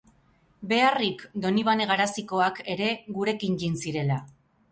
Beharrik Donibane Garazikoak ere gurekin jin zirela.